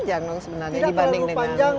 tidak terlalu panjang